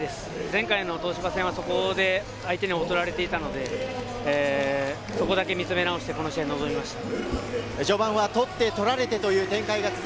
前回の東芝戦はそこで相手に劣っていたので、そこだけ見つめ直して、この試合に臨みました。